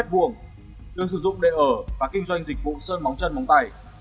đường sử dụng để ở và kinh doanh dịch vụ sơn móng chân móng tay